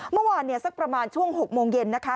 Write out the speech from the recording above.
เมื่อวานเนี่ยสักประมาณช่วง๖โมงเย็นนะคะ